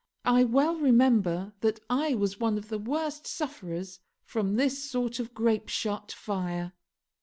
I well remember that I was one of the worst sufferers from this sort of grapeshot fire.